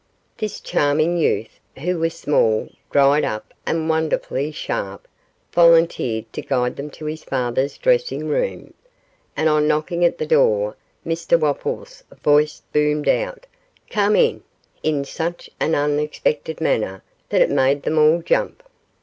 This charming youth, who was small, dried up and wonderfully sharp, volunteered to guide them to his father's dressing room, and on knocking at the door Mr Wopples' voice boomed out 'Come in,' in such an unexpected manner that it made them all jump.